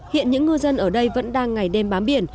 hiện những ngư dân ở đây vẫn đang ngày đêm bám biển